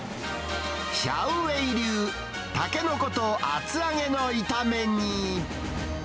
シャウ・ウェイ流タケノコと厚揚げのいため煮。